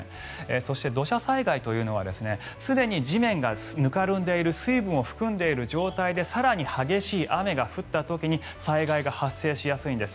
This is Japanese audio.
そして、土砂災害というのはすでに地面がぬかるんでいる水分を含んでいる状態で更に激しい雨が降った時に災害が発生しやすいんです。